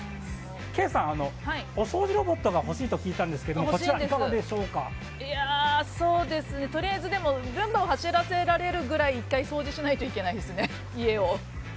ケイさんお掃除ロボットが欲しいと聞いたんですけどとりあえずルンバを走らせられるぐらい１回掃除しないといけないですね。